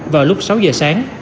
vào lúc sáu giờ sáng